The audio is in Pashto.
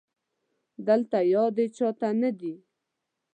دلته يادې چا ته نه دي